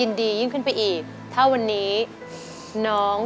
ทั้งในเรื่องของการทำงานเคยทำนานแล้วเกิดปัญหาน้อย